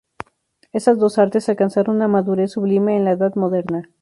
Esas dos artes alcanzaron una madurez sublime en la Edad Moderna.